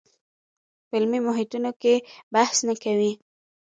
په علمي محیطونو کې بحث نه کوي